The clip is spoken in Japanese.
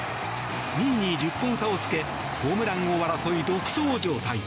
２位に１０本差をつけホームラン王争い独走状態。